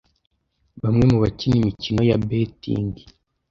bamwe mu bakina imikino ya 'betting'